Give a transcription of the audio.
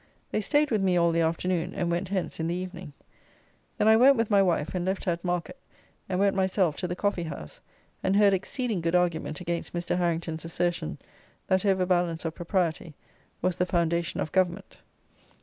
They staid with me all the afternoon, and went hence in the evening. Then I went with my wife, and left her at market, and went myself to the Coffee house, and heard exceeding good argument against Mr. Harrington's assertion, that overbalance of propriety [i.e., property] was the foundation of government.